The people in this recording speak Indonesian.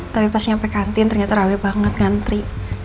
tapi pas nyampe kantin ternyata raweh banget ngantri